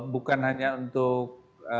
bukan hanya untuk